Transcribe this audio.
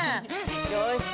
よし。